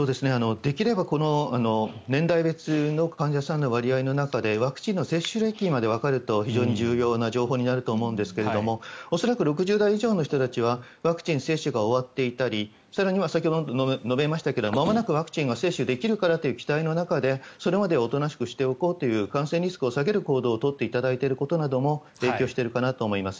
できれば年代別の患者さんの割合の中でワクチンの接種歴までわかると非常に重要な情報になると思いますが恐らく、６０代以上の人たちはワクチン接種が終わっていたり更には先ほど述べましたがまもなくワクチンが接種できるからという期待の中で、それまではおとなしくしておこうと感染リスクを下げる行動を取っていただいていることなども影響しているかなと思います。